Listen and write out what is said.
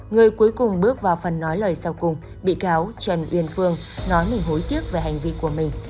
người cuối cùng bước vào phần nói lời sau cùng bị cáo trần uyên phương nói mình hối tiếc về hành vi của mình